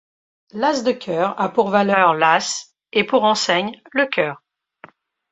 L'as de cœur a pour valeur l'as et pour enseigne le cœur.